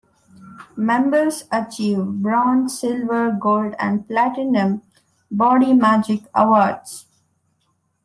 Members achieve bronze, silver, gold and platinum 'Body Magic' awards.